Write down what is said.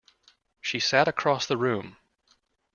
She sat across the room.